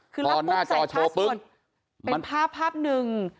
พอหน้าจอโชว์ปึ๊บเป็นภาพนึง